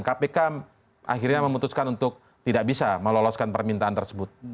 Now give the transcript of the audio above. kpk akhirnya memutuskan untuk tidak bisa meloloskan permintaan tersebut